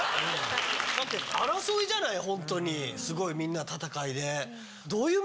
だって争いじゃないホントにすごいみんな戦いで。